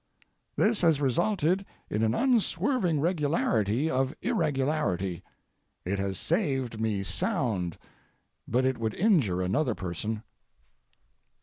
This has resulted in an unswerving regularity of irregularity. It has saved me sound, but it would injure another person.